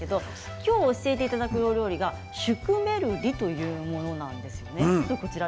今日教えていただくお料理はシュクメルリというものなんですよね。